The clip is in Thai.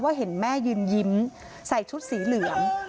เห็นแม่ยืนยิ้มใส่ชุดสีเหลือง